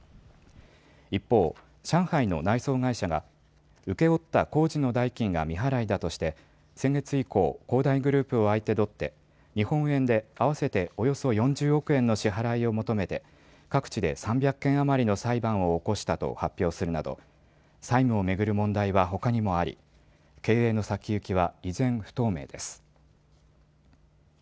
一方、上海の内装会社が請け負った工事の代金が未払いだとして先月以降、恒大グループを相手取って日本円で合わせておよそ４０億円の支払いを求めて各地で３００件余りの裁判を起こしたと発表するなど債務を巡る問題はほかにもあり経営の先行きは依然、不透明です。